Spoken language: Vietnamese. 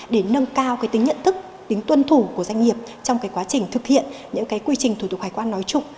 để nâng cao tính nhận thức tính tuân thủ của doanh nghiệp trong quá trình thực hiện những quy trình thủ tục hải quan nói chung